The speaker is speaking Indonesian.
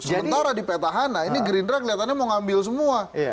sementara di petahana ini gerindra kelihatannya mau ngambil semua